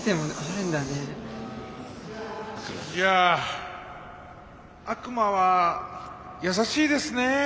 いや悪魔は優しいですね。